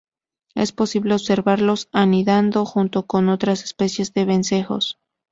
Es posible observarlos anidando junto con otras especies de vencejos.